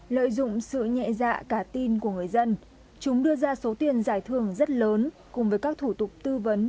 lợi dụng sự nhẹ dạ cả tin của người dân chúng đưa ra số tiền giải thưởng rất lớn cùng với các thủ tục tư vấn